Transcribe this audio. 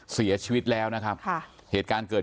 เสียชีวิตแล้วนะครับค่ะเหตุการณ์เกิด